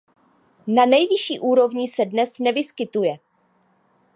Na nejvyšší úrovni se dnes nevyskytuje.